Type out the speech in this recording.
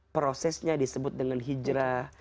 prosesnya disebut dengan hijrah